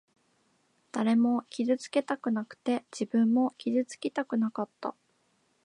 誰も傷つけたくなくて、自分も傷つきたくなかった。